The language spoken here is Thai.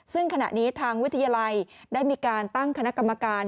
ซึ่งขณะนี้ทางวิทยาลัยได้มีการตั้งคณะกรรมการ